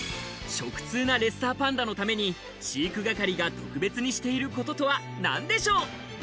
食通なレッサーパンダのために、飼育係が特別にしていることとは何でしょう。